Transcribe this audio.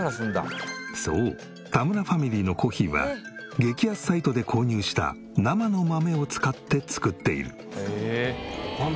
そう田村ファミリーのコーヒーは激安サイトで購入した生の豆を使って作っている。